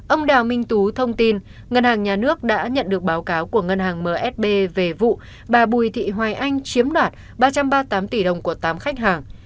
ông đào minh tú thông tin ngân hàng nhà nước đã nhận được báo cáo của ngân hàng msb về vụ bà bùi thị hoài anh chiếm đoạt ba trăm ba mươi tám tỷ đồng của tám khách hàng